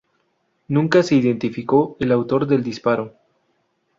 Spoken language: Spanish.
Nunca se identificó al autor del disparo.